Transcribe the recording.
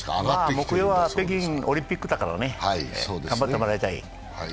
目標は北京オリンピックだからね、頑張ってもらいたい。